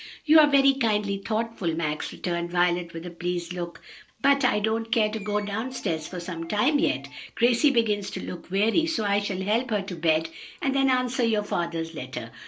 "You are very kindly thoughtful, Max," returned Violet, with a pleased look, "but I don't care to go down stairs for some time yet; Gracie begins to look weary, so I shall help her to bed and then answer your father's letter.